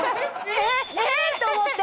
えっ？えっ？と思って。